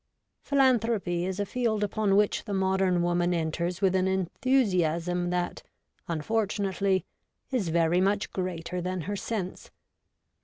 Philanthropy is a field upon which the modern woman enters with an enthusiasm that, unfortunately, is very much greater than her sense.